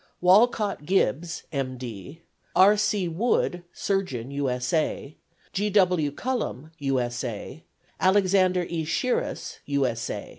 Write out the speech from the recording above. Wolcott Gibbs, M. D., R. C. Wood, surgeon U. S. A.; G. W. Cullom, U. S. A.; Alexander E. Shiras, U. S. A.